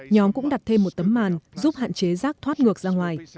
nhóm cũng đặt thêm một tấm màn giúp hạn chế rác thoát ngược ra ngoài